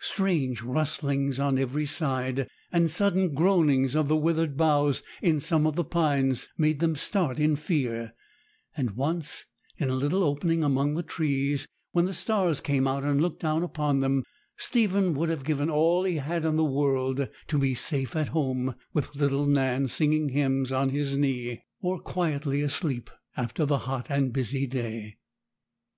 Strange rustlings on every side, and sudden groanings of the withered boughs in some of the pines, made them start in fear; and once, in a little opening among the trees, when the stars came out and looked down upon them, Stephen would have given all he had in the world to be safe at home, with little Nan singing hymns on his knee, or quietly asleep after the hot and busy day.